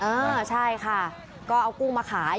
เออใช่ค่ะก็เอากุ้งมาขาย